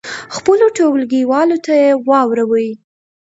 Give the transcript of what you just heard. خپلو ټولګیوالو ته یې واوروئ.